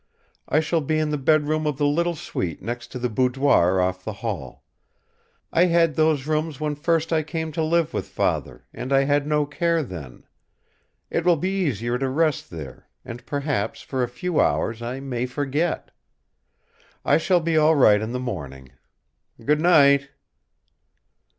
I shall be in the bedroom of the little suite next the boudoir off the hall. I had those rooms when first I came to live with Father, and I had no care then.... It will be easier to rest there; and perhaps for a few hours I may forget. I shall be all right in the morning. Good night!"